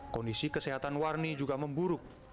kondisi kesehatan warni juga memburuk